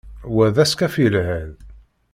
Wa d askaf yelhan.